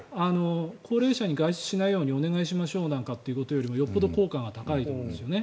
高齢者に外出しないようにお願いしましょうということよりよっぽど効果が高いと思うんですね。